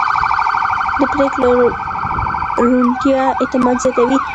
د پرېکړو روڼتیا اعتماد زیاتوي